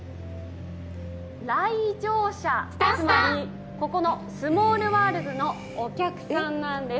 来場者、つまりここのスモールワールズのお客さんなんです。